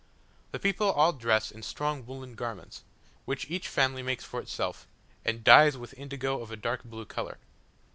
The people all dress in strong woollen garments, which each family makes for itself, and dyes with indigo of a dark blue colour.